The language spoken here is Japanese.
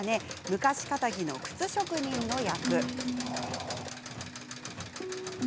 昔かたぎの靴職人の役。